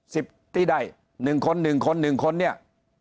สิบที่ได้หนึ่งคนหนึ่งคนหนึ่งคนเนี่ย